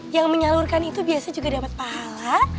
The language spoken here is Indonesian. yang menyalurkan itu biasa juga dapat pahala